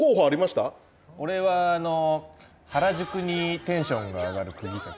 俺はあの原宿にテンションが上がる釘崎。